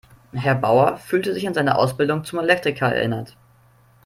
Herr Bauer fühlte sich an seine Ausbildung zum Elektriker erinnert.